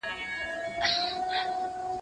په نارو د بيزو وان خوا ته روان سو